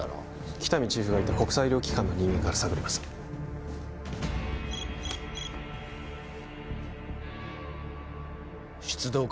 喜多見チーフがいた国際医療機関の人間から探ります出動か？